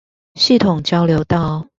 系統交流道